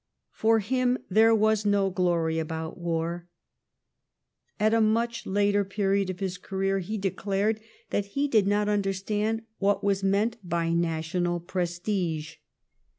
For him there was no glory about war. At a much later period of his career he declared that he did not understand what was meant by national prestige.